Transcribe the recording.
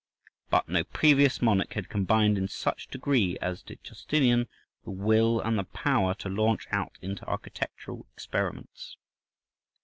But no previous monarch had combined in such a degree as did Justinian the will and the power to launch out into architectural experiments.